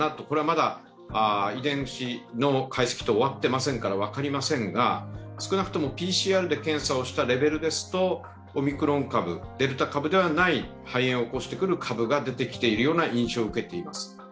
これはまだ遺伝子の解析等終わっていませんから、分かりませんが少なくともＰＣＲで検査をしたレベルですとオミクロン株、デルタ株ではない肺炎を起こす株が出てきているような印象を受けています。